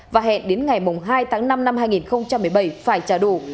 và hẹn đến ngày hai tháng năm năm hai nghìn một mươi bảy phải trả đủ